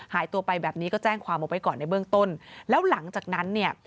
หายตัวไปแบบนี้ก็แจ้งความเอาไว้ก่อนในเบื้องต้นแล้วหลังจากนั้นเนี่ย